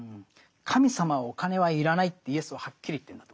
神様はお金は要らないってイエスははっきり言ってるんだと思うんですね。